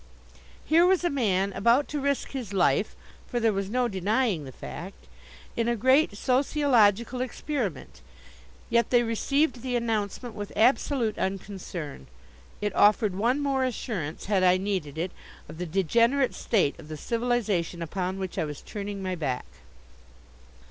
Here was a man about to risk his life for there was no denying the fact in a great sociological experiment, yet they received the announcement with absolute unconcern. It offered one more assurance, had I needed it, of the degenerate state of the civilization upon which I was turning my back.